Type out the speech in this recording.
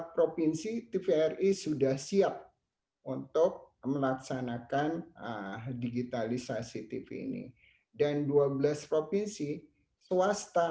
provinsi tvri sudah siap untuk melaksanakan digitalisasi tv ini dan dua belas provinsi swasta